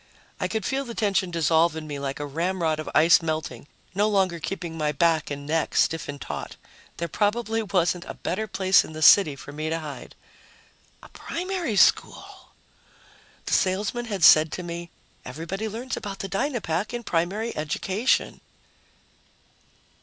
I could feel the tension dissolve in me like a ramrod of ice melting, no longer keeping my back and neck stiff and taut. There probably wasn't a better place in the city for me to hide. A primary school! The salesman had said to me, "Everybody learns about the Dynapack in primary education."